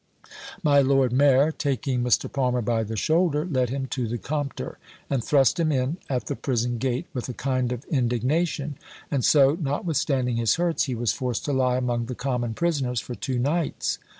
My Lord Mayor taking Mr. Palmer by the shoulder, led him to the Compter, and thrust him in at the prison gate with a kind of indignation; and so, notwithstanding his hurts, he was forced to lie among the common prisoners for two nights.